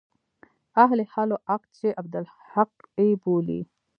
اهل حل و عقد چې عبدالحق يې بولي.